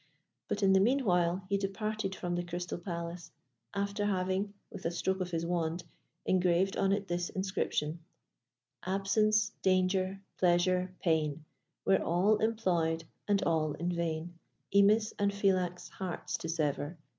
But in the meanwhile, he departed from the Crystal Palace, after having, with a stroke of his wand, engraved on it this inscription: Absence, danger, pleasure, pain, Were all employ'd, and all in vain, Imis' and Philax' hearts to sever.